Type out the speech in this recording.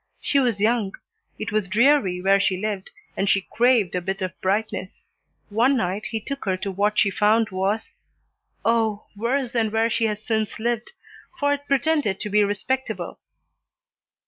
She was young. It was dreary where she lived, and she craved a bit of brightness. One night he took her to what she found was oh, worse than where she has since lived, for it pretended to be respectable.